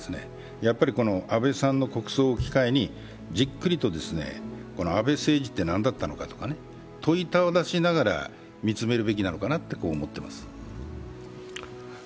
やはり安倍さんの国葬を機会にじっくりと安倍政治って何だったのか問いただしながら見つめるべきなのかなと思っています。